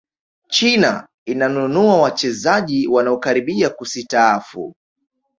china inanununua wachezaji wanaokaribia kusitaafu